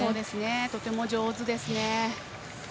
とても上手ですね。